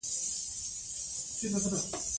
د افغانستان جغرافیه کې ځمکه ستر اهمیت لري.